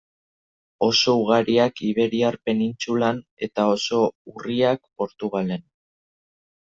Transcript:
Oso ugariak iberiar penintsulan, eta oso urriak Portugalen.